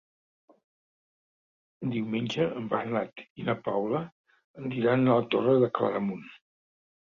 Diumenge en Bernat i na Paula aniran a la Torre de Claramunt.